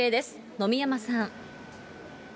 野見山さん。